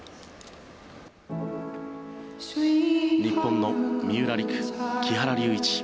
日本の三浦璃来木原龍一。